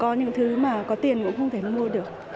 có những thứ mà có tiền cũng không thể mua được